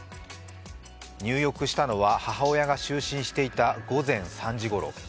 入浴したのは母親が就寝していた午前３時ごろ。